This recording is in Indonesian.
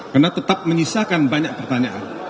karena tetap menyisakan banyak pertanyaan